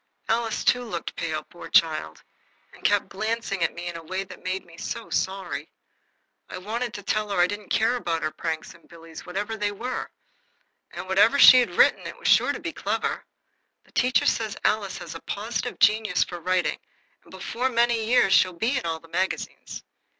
Alice, too, looked pale, poor child! and kept glancing at me in a way that made me so sorry. I wanted to tell her I didn't care about her pranks and Billy's, whatever they were. And whatever she had written, it was sure to be clever. The teacher says Alice has a positive genius for writing, and before many years she'll be in all the magazines.